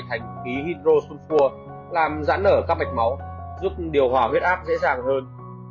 thành khí hydrosulfur làm giãn nở các mạch máu giúp điều hòa huyết áp dễ dàng hơn